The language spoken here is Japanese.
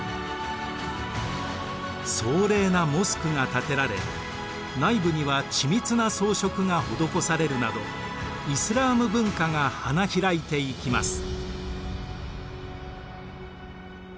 壮麗なモスクが建てられ内部には緻密な装飾が施されるなどイスラーム文化が花開いていきます。